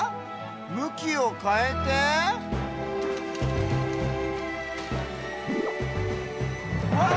むきをかえてわっ！